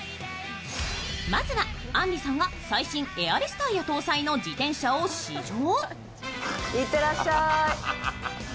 まずはあんりさんは最新エアレスタイヤ搭載の自転車を試乗。